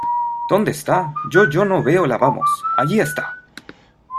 ¿ Dónde está? Yo yo no veo la vamos. allí está .